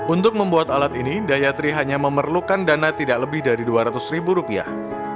untuk membuat alat ini dayatri hanya memerlukan dana tidak lebih dari dua ratus ribu rupiah